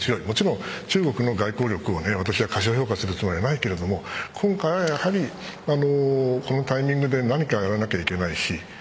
もちろん中国の外交力を過小評価するつもりはないですが今回はやはりこのタイミングで何かやらなきゃいけないし。